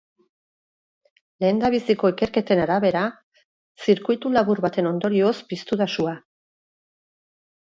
Lehendabiziko ikerketen arabera, zirkuitulabur baten ondorioz piztu da sua.